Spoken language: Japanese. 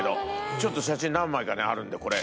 ちょっと写真何枚かねあるんでこれ。